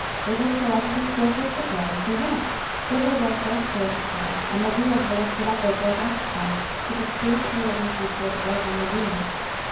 26:001:020 Whithersoever the spirit was to go, they went, thither was their spirit to go; and the wheels were lifted up over against them: for the spirit of the living creature was in the wheels.